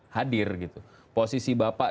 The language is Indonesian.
hadir gitu posisi bapak